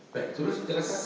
baik terus terima kasih